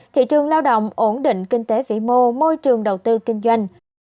thị trường lao động ổn định kinh tế vĩ mô môi trường đầu tư kinh doanh